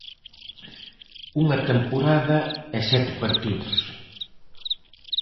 Unha temporada e sete partidos.